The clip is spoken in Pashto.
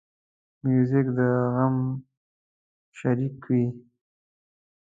موزیک د غم شریک وي.